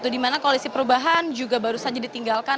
di mana koalisi perubahan juga baru saja ditinggalkan